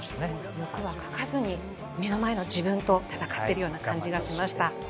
欲はかかずに目の前の自分と戦っている感じがしました。